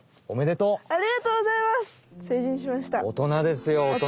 おめでとう！